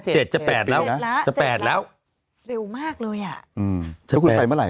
จะแปดแล้วนะจะแปดแล้วเร็วมากเลยอ่ะอืมแล้วคุณไปเมื่อไห